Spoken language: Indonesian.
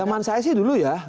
zaman saya sih dulu ya